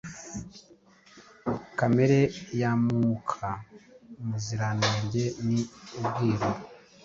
Kamere ya Mwuka Muziranenge ni ubwiru.